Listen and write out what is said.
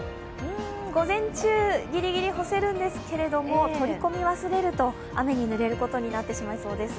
午前中、ぎりぎり干せるんですけれども、取り込み忘れると雨にぬれることになってしまいそうです。